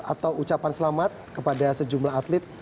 atau ucapan selamat kepada sejumlah atlet